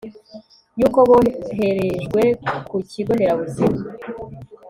y'uko boherejwe ku kigo nderabuzima